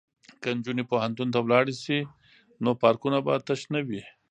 که نجونې پوهنتون ته لاړې شي نو پارکونه به تش نه وي.